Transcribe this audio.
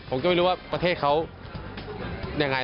ผมก็ไม่รู้ว่าประเทศเขายังไง